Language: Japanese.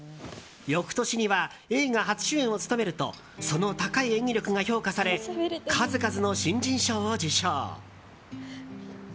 翌年には映画初主演を務めるとその高い演技力が評価され数々の新人賞を受賞。